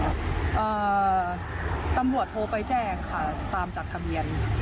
ตำรวจโทรไปแจ้งค่ะตามจากทะเบียน